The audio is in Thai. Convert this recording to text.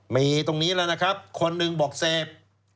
มีตรงนี้แล้วนะครับคนหนึ่งบอกเสพ